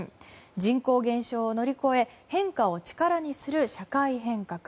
人口減少を乗り越え変化を力にする社会改革。